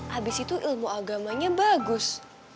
habis itu ilmu agamanya bagus